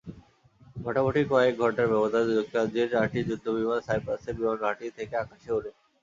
ভোটাভুটির কয়েক ঘণ্টার ব্যবধানে যুক্তরাজ্যের চারটি যুদ্ধবিমান সাইপ্রাসের বিমানঘাঁটি থেকে আকাশে ওড়ে।